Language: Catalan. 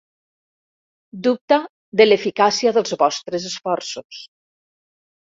Dubta de l'eficàcia dels vostres esforços.